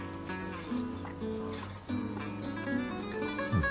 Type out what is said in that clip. うん。